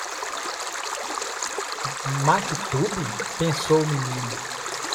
Maktub? pensou o menino.